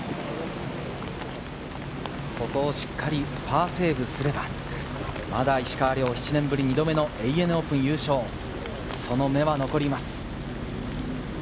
ここをしっかりパーセーブすれば、まだ石川遼、７年ぶり２度目のＡＮＡオープン優勝、その芽は残ります。